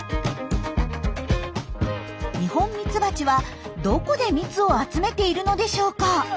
ニホンミツバチはどこで蜜を集めているのでしょうか？